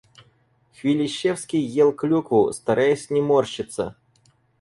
Хвилищевский ел клюкву, стараясь не морщиться.